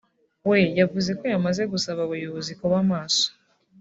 we yavuze ko yamaze gusaba abayobozi kuba maso